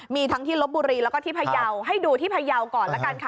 มีทั้งที่ลบบุรีแล้วก็ที่พยาวให้ดูที่พยาวก่อนละกันค่ะ